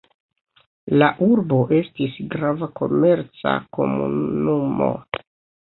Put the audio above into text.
La urbo estis grava komerca komunumo.